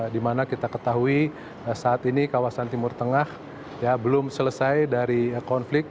di mana kita ketahui saat ini kawasan timur tengah belum selesai dari konflik